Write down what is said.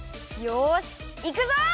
よしいくぞ！